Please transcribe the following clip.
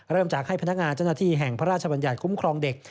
เริ่มจากให้พนักงานเจ้าหน้าที่แห่งพระราชบัญญัติคุ้มครองเด็ก